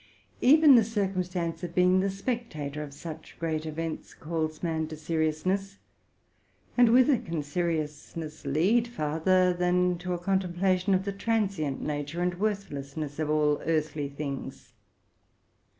Even the circumstance of being the spectator of such great events calls man to seriousness ; and whither can seri ousness lead farther than to a contemplation of the transient nature and worthlessness of all earthly things?